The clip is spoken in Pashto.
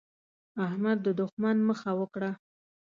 احمد د دوښمن مخه وکړه.